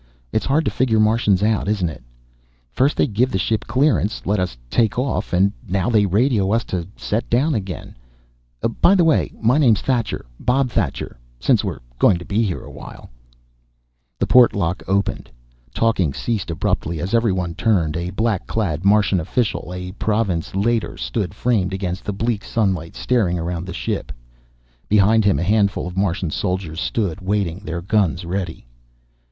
"It's hard to figure Martians out, isn't it? First they give the ship clearance, let us take off, and now they radio us to set down again. By the way, my name's Thacher, Bob Thacher. Since we're going to be here awhile " The port lock opened. Talking ceased abruptly, as everyone turned. A black clad Martian official, a Province Leiter, stood framed against the bleak sunlight, staring around the ship. Behind him a handful of Martian soldiers stood waiting, their guns ready.